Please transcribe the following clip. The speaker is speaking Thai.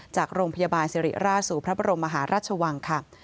จากโรงพยาบาลสิริราชสู่พระบรมมหาราชวังค่ะ